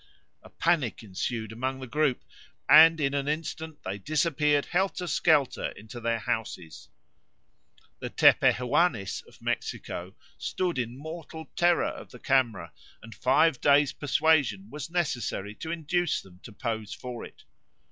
A panic ensued among the group, and in an instant they disappeared helterskelter into their houses. The Tepehuanes of Mexico stood in mortal terror of the camera, and five days' persuasion was necessary to induce them to pose for it.